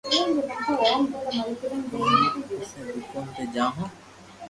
ڪوم مون پسي دوڪون تي جاوُ ھون